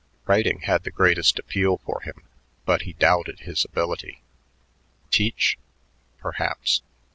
Writing had the greatest appeal for him, but he doubted his ability. Teach? Perhaps.